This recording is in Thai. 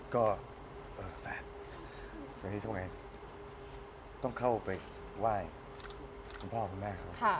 ก็ต้องเข้าไปไหว้คุณพ่อคุณแม่ครับ